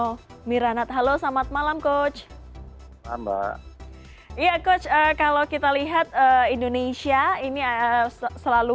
hai miranat halo selamat malam coach amba iya coach kalau kita lihat indonesia ini selalu